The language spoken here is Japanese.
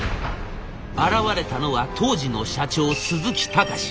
現れたのは当時の社長鈴木喬！